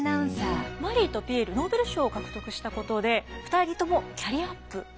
マリーとピエールノーベル賞を獲得したことで２人ともキャリアアップしていくんです。